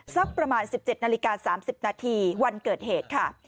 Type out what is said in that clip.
สักประมาณ๑๗นาฬิกา๓๐นาทีวันเกิดเหตุค่ะ